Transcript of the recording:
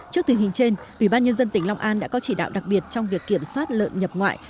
trước tình hình trên ủy ban nhân dân tỉnh long an đã có chỉ đạo đặc biệt trong việc kiểm soát lợn nhập ngoại